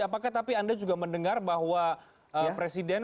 apakah tapi anda juga mendengar bahwa presiden